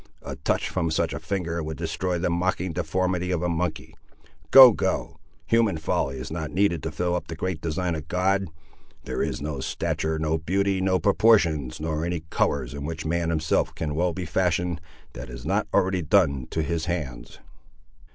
A touch from such a finger would destroy the mocking deformity of a monkey! Go, go; human folly is not needed to fill up the great design of God. There is no stature, no beauty, no proportions, nor any colours in which man himself can well be fashioned, that is not already done to his hands."